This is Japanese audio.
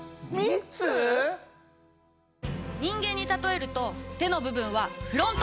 人間にたとえると手の部分はフロント。